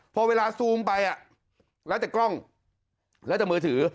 พอเวลาซูมไปแล้วแต่กล้องแล้วแต่มือถือ